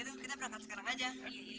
dan makin lama aku makin yakin